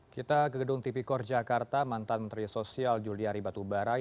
kita ke gedung tipikor jakarta mantan menteri sosial juliari batubarai